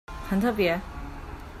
很特別